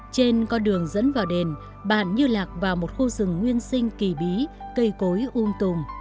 trên con đường dẫn vào đền bạn như lạc vào một khu rừng nguyên sinh kỳ bí cây cối um tùm